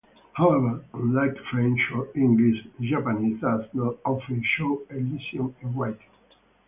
However, unlike French or English, Japanese does not often show elision in writing.